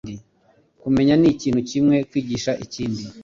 Kumenya nikintu kimwe, kwigisha ikindi.